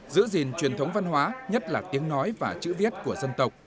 giữ gìn truyền thống văn hóa nhất là tiếng nói và chữ viết của dân tộc